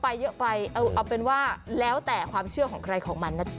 ไปเยอะไปเอาเป็นว่าแล้วแต่ความเชื่อของใครของมันนะจ๊